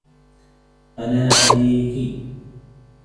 أنا أمريكي